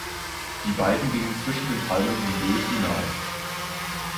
Die beiden gingen zwischen den Palmen hindurch hinaus.